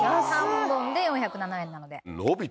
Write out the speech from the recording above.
３本で４０７円なので。